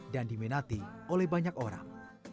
dan dimenati oleh banyak orang